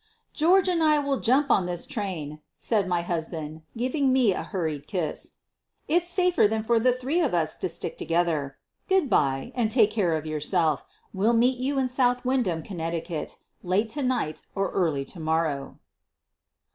"George and I will jump on this train," said my husband, giving me a hurried kiss. "It's safer than 122 SOPHIE LYONS for the three of us to stick together. Good bye— and take care of yourself. We'll meet you in South Windham, Conn., late to night or early to morrow."